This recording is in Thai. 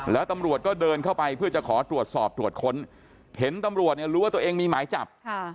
แล้วตำรวจก็เดินเข้าไปเพื่อจะขอตรวจสอบตรวจค้นเห็นตำรวจเนี่ยรู้ว่าตัวเองมีหมายจับ